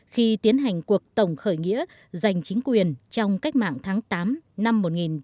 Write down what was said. khi tiến hành cuộc tổng khởi nghĩa giành chính quyền trong cách mạng tháng tám năm một nghìn chín trăm bốn mươi năm